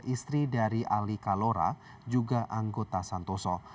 istri dari ali kalora juga anggota santoso